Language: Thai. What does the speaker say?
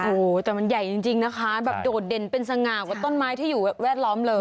โอ้โหแต่มันใหญ่จริงนะคะแบบโดดเด่นเป็นสง่ากว่าต้นไม้ที่อยู่แวดล้อมเลย